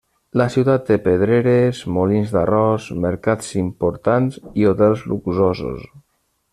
La ciutat té pedreres, molins d'arròs, mercats importants i hotels luxosos.